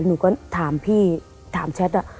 หนูก็ถามพี่ถามแชทอะ